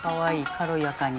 軽やかに。